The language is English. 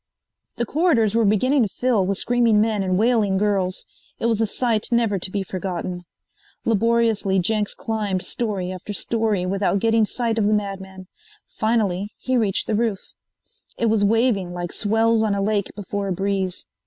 The corridors were beginning to fill with screaming men and wailing girls. It was a sight never to be forgotten. Laboriously Jenks climbed story after story without getting sight of the madman. Finally he reached the roof. It was waving like swells on a lake before a breeze.